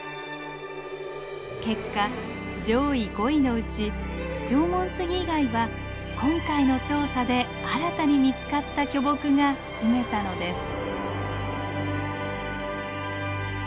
結果上位５位のうち縄文杉以外は今回の調査で新たに見つかった巨木が占めたのです。